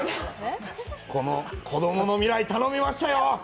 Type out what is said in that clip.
この、子供の未来頼みましたよ。